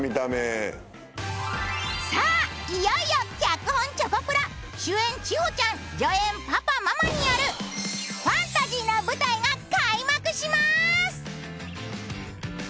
さあいよいよ脚本チョコプラ主演千穂ちゃん助演パパママによるファンタジ―の舞台が開幕します！